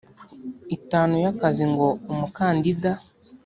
itanu y akazi ngo umukandida